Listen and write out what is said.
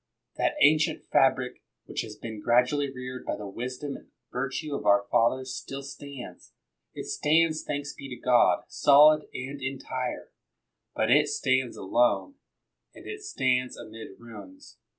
That ancient fabric which has been gra dually reared by the wisdom and virtue of our fathers still stands. It stands, thanks be to God! solid and entire; but it stands alone, and it stands amid ruins.